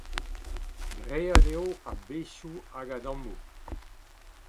Graet eo a-bezhioù hag a-dammoù.